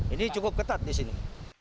ini cukup ketat di sini